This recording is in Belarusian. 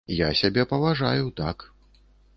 Я сябе паважаю, так.